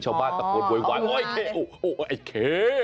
ชาวบ้านตะโกนโวยวายโอไอ้เค